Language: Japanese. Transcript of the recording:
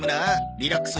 リラックス。